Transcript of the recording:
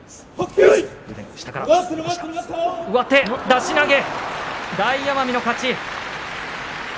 出し投げ大奄美の勝ち。